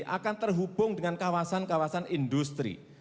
akan terhubung dengan kawasan kawasan industri